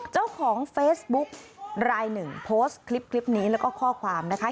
เจ้าของเฟซบุ๊กรายหนึ่งโพสต์คลิปนี้แล้วก็ข้อความนะคะ